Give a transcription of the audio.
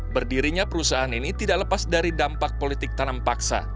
berdirinya perusahaan ini tidak lepas dari dampak politik tanam paksa